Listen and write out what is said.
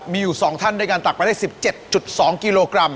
มีอยู่๒ท่านด้วยการตักไปได้๑๗๒กิโลกรัม